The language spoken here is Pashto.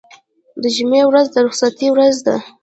د جمعې ورځ د رخصتۍ ورځ ده.